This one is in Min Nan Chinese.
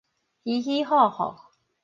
稀稀戽戽